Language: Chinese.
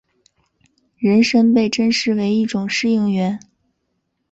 人参被珍视为一种适应原。